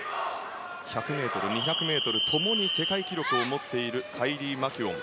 １００ｍ、２００ｍ共に世界記録を持っているカイリー・マキュオン。